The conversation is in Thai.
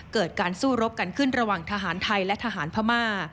เกิดการสู้รบกันขึ้นระหว่างทหารไทยและทหารพม่า